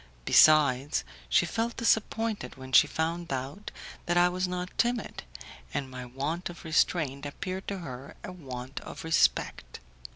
Besides, she felt disappointed when she found out that I was not timid, and my want of restraint appeared to her a want of respect.